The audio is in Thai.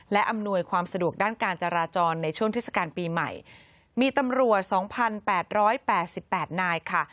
และอำนวยความสะดวกด้านการจราจรในช่วงเทศกาลปีใหม่มีตำรวจสองพันแปดร้อยแปดสิบแปดนายค่ะ